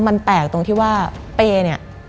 มันแปลกตรงที่ว่าเปรย์